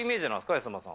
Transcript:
安村さん。